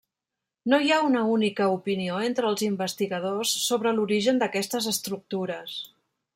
No hi ha una única opinió entre els investigadors sobre l'origen d'aquestes estructures.